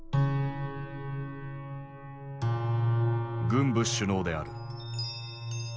軍部首脳である。